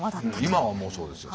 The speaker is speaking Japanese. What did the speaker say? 今はもうそうですよ